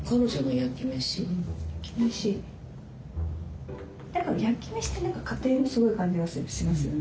焼き飯って何か家庭のすごい感じがしますよね。